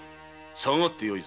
下がってよいぞ。